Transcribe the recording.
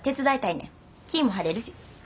気ぃも晴れるし。